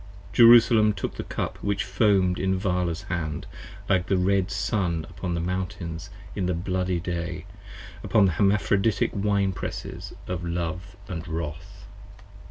Jerusalem took the Cup which foam'd in Vala's hand, Like the red Sun upon the mountains in the bloody day, 58 Upon the Hermaphroditic Wine presses of Love & Wrath.